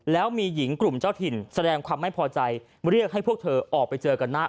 แล้วมีหญิงกลุ่มเจ้าถิ่นแสดงความไม่พอใจเรียกให้พวกเธอออกไปเจอกันหน้า